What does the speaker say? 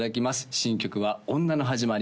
新曲は「女のはじまり」